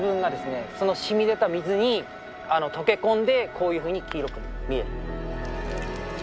しみ出た水に溶け込んでこういうふうに黄色く見える。